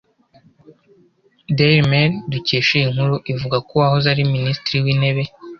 Dailymail dukesha iyi nkuru ivuga ko uwahoze ari Minisitiri w’Intebe